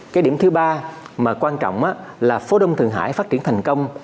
cái điểm thứ ba mà quan trọng là phố đông thường hải phát triển thành công